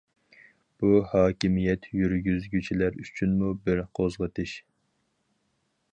بۇ ھاكىمىيەت يۈرگۈزگۈچىلەر ئۈچۈنمۇ بىر قوزغىتىش.